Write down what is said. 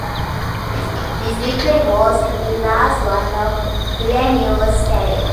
This victory was to be the last one of Villeneuve's career.